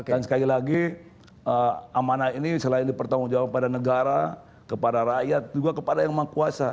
dan sekali lagi amanah ini selain dipertanggungjawab kepada negara kepada rakyat juga kepada yang mengkuasa